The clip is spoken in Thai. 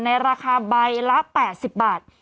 ในราคาใบละ๘๐บาท